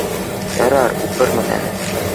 Ярар, уҡырмын әле